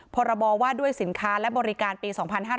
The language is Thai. พรบว่าด้วยสินค้าและบริการปี๒๕๕๙